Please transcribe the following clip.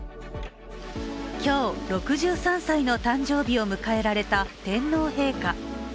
今日、６３歳の誕生日を迎えられた天皇陛下。